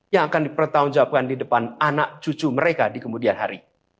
yang akan dipertanggungjawabkan di depan anak cucu mereka di kemudian hari